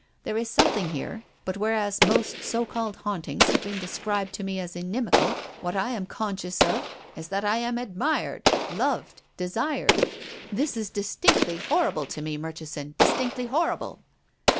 There is something here. But whereas most so called hauntings have been described to me as inimical, what I am conscious of is that I am admired, loved, desired. This is distinctly horrible to me, Murchison, distinctly horrible."